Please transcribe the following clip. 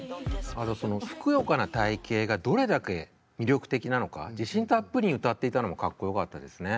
あとそのふくよかな体型がどれだけ魅力的なのか自信たっぷりに歌っていたのもかっこよかったですね。